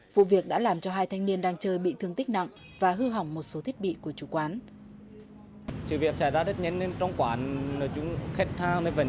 vụ việc đã làm cho hai thanh niên đang chơi bị thương tích nặng và hư hỏng một số thiết bị của chủ quán